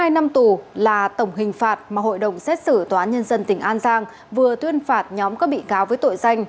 một mươi năm tù là tổng hình phạt mà hội đồng xét xử tòa án nhân dân tỉnh an giang vừa tuyên phạt nhóm các bị cáo với tội danh